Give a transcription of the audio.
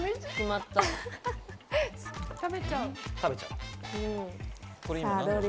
食べちゃう。